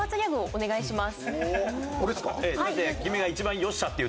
お願いします！